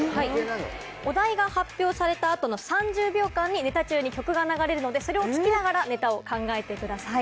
お題が発表された後の３０秒間にネタ中に曲が流れるのでそれを聞きながらネタを考えてください。